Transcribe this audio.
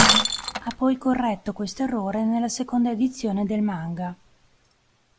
Ha poi corretto questo errore nella seconda edizione del manga.